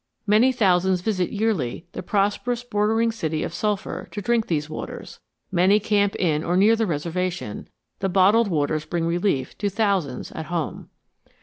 Many thousands visit yearly the prosperous bordering city of Sulphur to drink these waters; many camp in or near the reservation; the bottled waters bring relief to thousands at home.